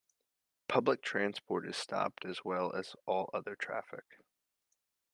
Public transport is stopped as well as all other traffic.